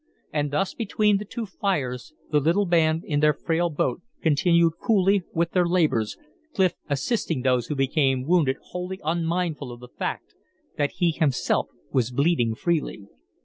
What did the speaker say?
And thus between the two fires the little band in their frail boat continued coolly with their labors, Clif assisting those who became wounded wholly unmindful of the fact that he himself was bleeding freely.